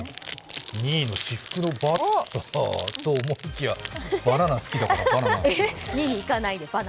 ２位の至福のバターと思いきやバナナ好きだから、バナナ。